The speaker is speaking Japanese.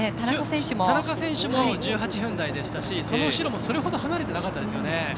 田中選手も１８分台でしたしその後ろも、それほど離れてなかったですよね。